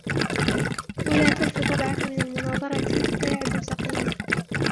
وَلَا تُعْفِ طَبْعَك مِنْ الْمُنَاظَرَةِ فَيَعُدْ سَقِيمًا